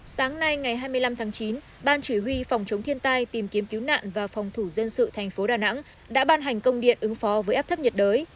sáng nay ngày hai mươi năm tháng chín ban chỉ huy phòng chống thiên tai tìm kiếm cứu nạn và phòng thủ dân sự thành phố đà nẵng đã ban hành công điện ứng phó với áp thấp nhiệt đới